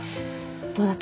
どうだった？